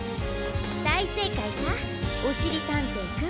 だいせいかいさおしりたんていくん。